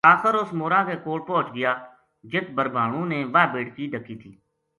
آخر اُس مورا کے کول پوہچ گیا جِت بھربھانو نے واہ بیٹکی ڈَکی تھی